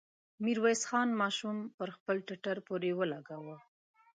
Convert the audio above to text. ميرويس خان ماشوم پر خپل ټټر پورې ولګاوه.